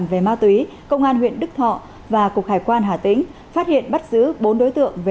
về ma túy công an huyện đức thọ và cục hải quan hà tĩnh phát hiện bắt giữ bốn đối tượng